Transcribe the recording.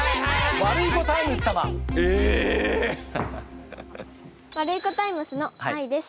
ワルイコタイムスのあいです。